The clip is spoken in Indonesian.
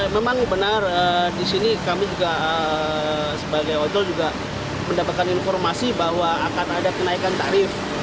memang benar disini kami juga sebagai ojol mendapatkan informasi bahwa akan ada kenaikan tarif